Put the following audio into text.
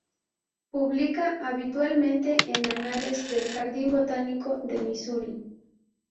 Publica habitualmente en Anales del Jardín Botánico de Misuri.